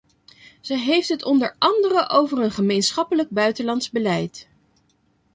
Zij heeft het onder andere over een gemeenschappelijk buitenlands beleid.